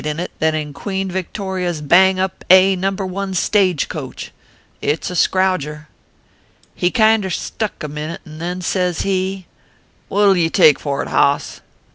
237 in it than in Queen Victory s bang up, A, No. 1, stage coach. It s a scrouger." " He kinder stuck a minute, and then says he :" What ll ye take for it, hoss